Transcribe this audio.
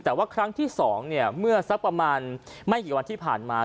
แต่ว่าครั้งที่๒เมื่อสักประมาณไม่กี่วันที่ผ่านมา